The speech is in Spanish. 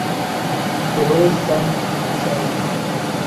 Dolores Sainz Isasi.